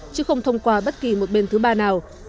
chứ không thông qua bất kỳ một bên thứ ba nào